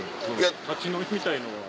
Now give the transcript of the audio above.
立ち飲みみたいのは。